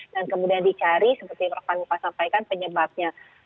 dan kemudian dicari seperti yang pak mufa sampaikan penyebabnya